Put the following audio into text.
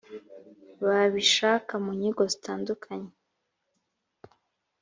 babishaka mu nyigo zitandukanye